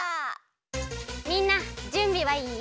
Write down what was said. みんなじゅんびはいい？